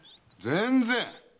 全然！